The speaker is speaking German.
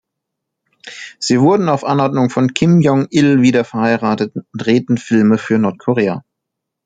Sie wurden auf Anordnung von Kim Jong-il wieder verheiratet und drehten Filme für Nordkorea.